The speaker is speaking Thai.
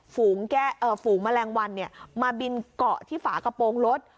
ฝูงแก้เอ่อฝูงแมลงวันเนี่ยมาบินเกาะที่ฝากระโปรงรถ